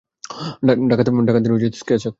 ডাকাতদের স্কেচ আঁকতো।